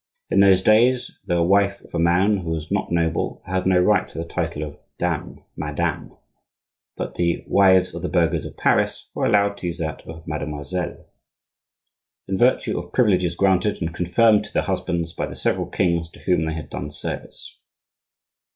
In those days the wife of a man who was not noble had no right to the title of dame, "madame"; but the wives of the burghers of Paris were allowed to use that of "mademoiselle," in virtue of privileges granted and confirmed to their husbands by the several kings to whom they had done service.